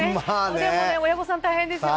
でも親御さん大変ですよね。